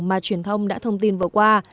mà truyền thông đã thông tin vừa qua